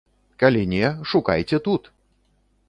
Калі не, шукайце тут!